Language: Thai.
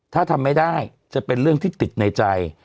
ถ้าทำไม่ได้จะเป็นเรื่องที่ติดในใจ